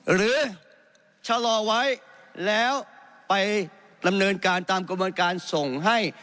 หรือชะลอไว้แล้วไปดำเนินการตามกระบวนการส่งให้